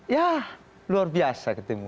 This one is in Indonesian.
ya luar biasa ketemu